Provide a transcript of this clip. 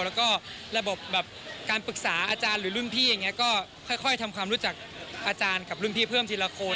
แล้วก็ระบบแบบการปรึกษาอาจารย์หรือรุ่นพี่อย่างนี้ก็ค่อยทำความรู้จักอาจารย์กับรุ่นพี่เพิ่มทีละคน